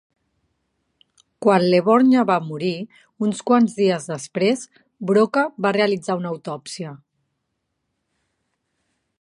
Quan Leborgne va morir uns quants dies després, Broca va realitzar una autòpsia.